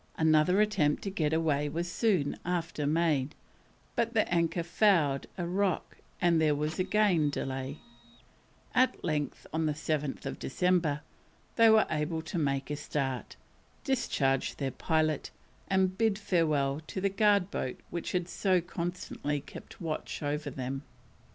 Another attempt to get away was soon after made, but the anchor fouled a rock, and there was again delay; at length, on the 7th December, they were able to make a start, discharge their pilot, and bid farewell to the guard boat which had so constantly kept watch over them.